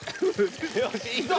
よしいいぞ。